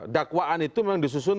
dakwaan itu memang disusun